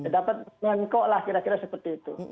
dapat menjangkau lah kira kira seperti itu